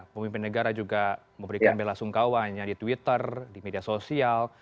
pemimpin negara juga memberikan bela sungkawanya di twitter di media sosial